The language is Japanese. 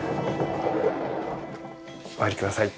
お入りください。